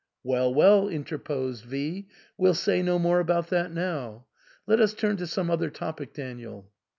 "Well, well," interposed V ," we'll say no more about that now. Let us turn to some other topic, Daniel.